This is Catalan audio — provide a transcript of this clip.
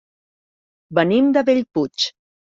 Venim de Bellpuig.